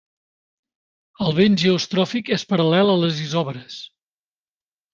El vent geostròfic és paral·lel a les isòbares.